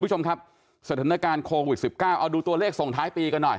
คุณผู้ชมครับสถานการณ์โควิด๑๙เอาดูตัวเลขส่งท้ายปีกันหน่อย